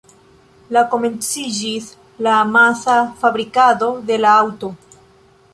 La komenciĝis la amasa fabrikado de la aŭto.